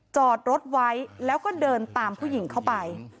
จอดรถไว้แล้วก็เดินตามผู้หญิงเข้าไป